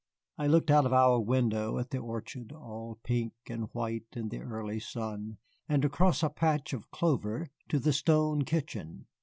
I looked out of our window at the orchard, all pink and white in the early sun, and across a patch of clover to the stone kitchen.